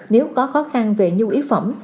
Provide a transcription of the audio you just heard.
nếu có khó khăn về nhu yếu phẩm